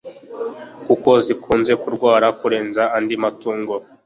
kuko zikunze kurwara kurenza andi matungo